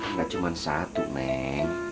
nggak cuman satu neng